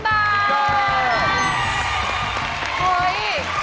เฮ้ย